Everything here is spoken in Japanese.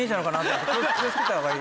気を付けたほうがいい。